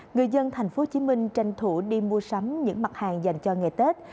người dân tp hcm tranh thủ đi mua sắm những mặt hàng dành cho ngày tết